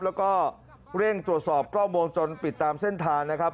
แล้วก็เร่งตรวจสอบกล้องวงจรปิดตามเส้นทางนะครับ